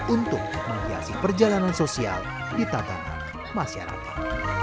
untuk menghiasi perjalanan sosial di tatanan masyarakat